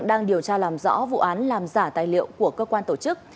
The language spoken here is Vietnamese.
đang điều tra làm rõ vụ án làm giả tài liệu của cơ quan tổ chức